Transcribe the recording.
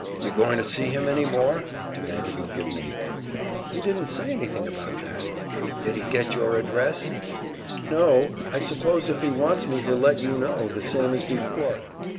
"You going to see him any more?" demanded McGivney. "He didn't say anything about that." "Did he get your address?" "No, I suppose if he wants me he'll let you know, the same as before."